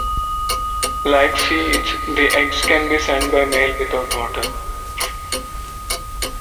Like seeds, the eggs can be sent by mail without water.